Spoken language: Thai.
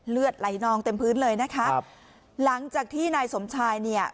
เลือดไหลนองเต็มพื้นเลยนะคะครับหลังจากที่นายสมชายเนี่ย